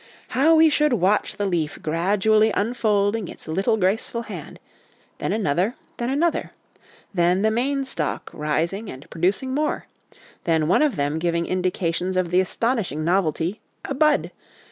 How we should watch the leaf gradually unfolding its little graceful hand ; then another, then another ; then the main stalk rising and producing more ; then one of them giving indications of the astonishing novelty a bud